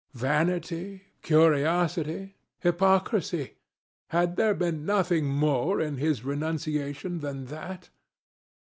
Vanity? Curiosity? Hypocrisy? Had there been nothing more in his renunciation than that?